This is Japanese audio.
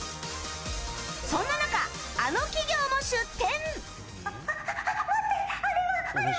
そんな中、あの企業も出展。